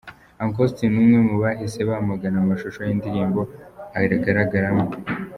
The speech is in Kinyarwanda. Uncle Austin ni umwe mubahise bamagana amashusho y'indirimbo agaragaramo .